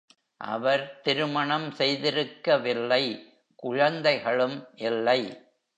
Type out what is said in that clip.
அவர் திருமணம் செய்திருக்கவில்லை குழந்தைகளும் இல்லை.